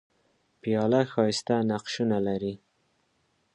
پیاله ښايسته نقشونه لري.